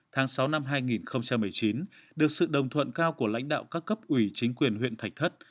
tháng sáu năm hai nghìn một mươi chín được sự đồng thuận cao của lãnh đạo các cấp ủy chính quyền huyện thạch thất